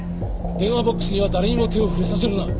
電話ボックスには誰にも手を触れさせるな。